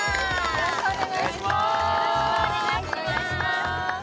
よろしくお願いします